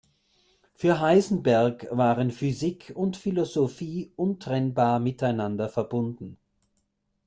Für Heisenberg waren Physik und Philosophie untrennbar miteinander verbunden.